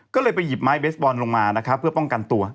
ก็เลยไปหยิบไม้เบสบอลลงมานะครับเพื่อป้องกันตัว